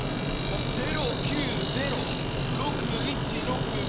０９０６１６５。